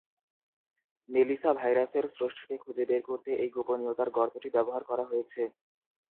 Melissa ভাইরাসের স্রষ্টাকে খুঁজে বের করতে এই গোপনীয়তার গর্তটি ব্যবহার করা হয়েছে।